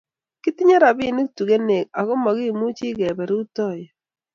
kitinye robinik tutegen aku kikimeche kebe rutoiyo